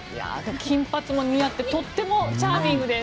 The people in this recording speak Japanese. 金髪も似合ってとってもチャーミングです。